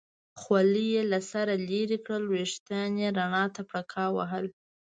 خولۍ یې له سره لرې کړل، وریښتانو یې رڼا ته پړکا وهل.